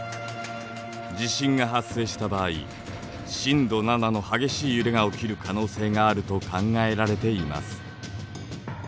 地震が発生した場合震度７の激しい揺れが起きる可能性があると考えられています。